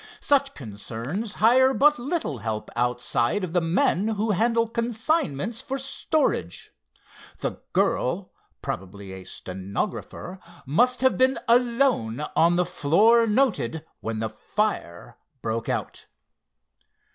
Such concerns hire but little help outside of the men who handle consignments for storage. The girl, probably a stenographer, must have been alone on the floor noted when the fire broke out.